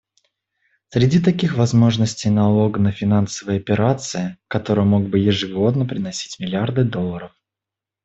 Среди таких возможностей налог на финансовые операции, который мог бы ежегодно приносить миллиарды долларов.